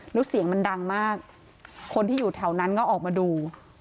แล้วเสียงมันดังมากคนที่อยู่แถวนั้นก็ออกมาดู